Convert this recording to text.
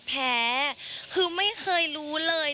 แพ้คือไม่เคยรู้เลย